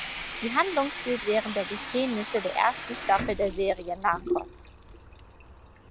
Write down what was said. Die Handlung spielt während der Geschehnisse der ersten Staffel der Serie "Narcos".